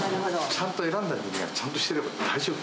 ちゃんと選んだ人間がちゃんとしていれば大丈夫。